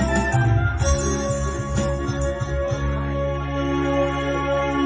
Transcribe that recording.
ดื่ม